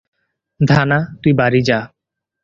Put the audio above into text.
ধানা, তুই বাড়ি যা।